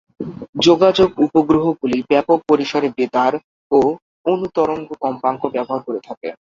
যোগাযোগ উপগ্রহগুলি ব্যাপক পরিসরের বেতার ও অণুতরঙ্গ কম্পাঙ্ক ব্যবহার করে থাকে।